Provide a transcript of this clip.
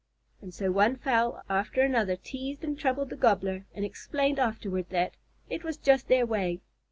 And so one fowl after another teased and troubled the Gobbler, and explained afterward that "it was just their way."